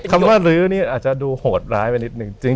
คำว่าลื้อนี่อาจจะดูโหดร้ายไปนิดนึง